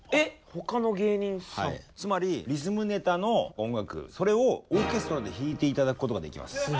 つまりリズムネタの音楽それをオーケストラで弾いて頂くことができます。